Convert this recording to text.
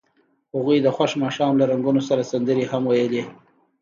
هغوی د خوښ ماښام له رنګونو سره سندرې هم ویلې.